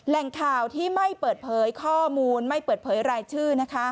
แหล่งข่าวที่ไม่เปิดเผยข้อมูลไม่เปิดเผยรายชื่อ